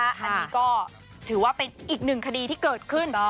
อันนี้ก็ถือว่าเป็นอีกหนึ่งคดีที่เกิดขึ้น